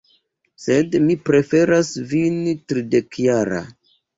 Sed mi preferas vin tridekjara.